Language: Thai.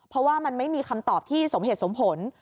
เพราะว่ามันไม่มีคำตอบที่สมเหตุสมผล